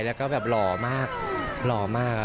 แล้วก็แบบหล่อมากหล่อมาก